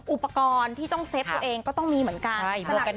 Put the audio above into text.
อุปกรณ์ที่ต้องเซฟตัวเองก็ต้องมีเหมือนกัน